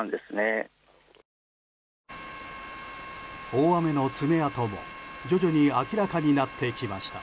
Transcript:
大雨の爪痕も徐々に明らかになってきました。